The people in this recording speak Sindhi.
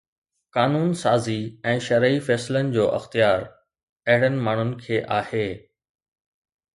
قانون سازي ۽ شرعي فيصلن جو اختيار اهڙن ماڻهن کي آهي